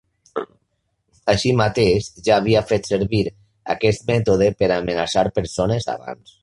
Així mateix, ja havia fet servir aquest mètode per amenaçar persones abans.